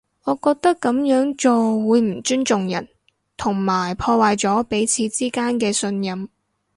我覺得噉樣做會唔尊重人，同埋破壞咗彼此之間嘅信任